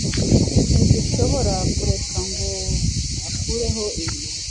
Ntidushobora kureka ngo akureho ibi